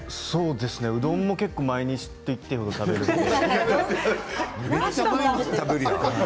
うどんも毎日といっていい程、食べるので。